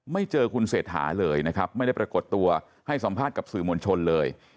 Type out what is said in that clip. ไม่เจอคุณเศรษฐาเลยนะครับไม่ได้ปรากฏตัวให้สัมภาษณ์กับสื่อมวลชนเลย